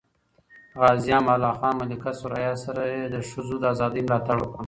غازي امان الله خان ملکه ثریا سره یې د ښځو د ازادۍ ملاتړ وکړ.